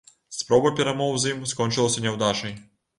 Спроба перамоў з ім скончылася няўдачай.